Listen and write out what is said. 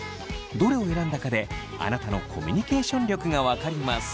どれを選んだかであなたのコミュニケーション力が分かります。